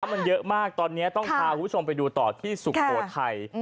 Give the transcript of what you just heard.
มันเยอะมากตอนนี้ต้องพาคุณผู้ชมไปดูต่อที่สุโขทัย